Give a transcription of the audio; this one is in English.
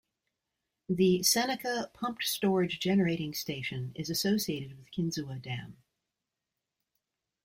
The Seneca Pumped Storage Generating Station is associated with Kinzua Dam.